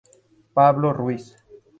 Pablo Ruiz.